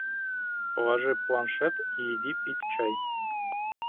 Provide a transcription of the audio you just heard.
Положи планшет и иди пить чай